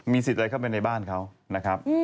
สิทธิ์อะไรเข้าไปในบ้านเขานะครับ